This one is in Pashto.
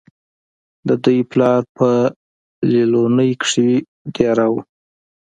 د دوي پلار پۀ ليلونۍ کښې دېره وو